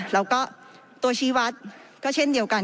แล้วก็ตัวชีวัตรก็เช่นเดียวกัน